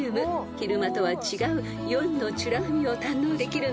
［昼間とは違う夜の美ら海を堪能できるんです］